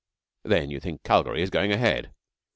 'Then you think Calgary is going ahead?'